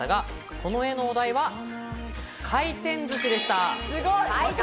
この絵のお題は回転寿司でした。